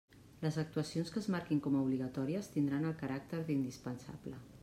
Les actuacions que es marquin com a obligatòries, tindran el caràcter d'indispensable.